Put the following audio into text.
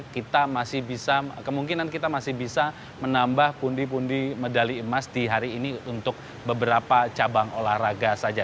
kita masih bisa kemungkinan kita masih bisa menambah pundi pundi medali emas di hari ini untuk beberapa cabang olahraga saja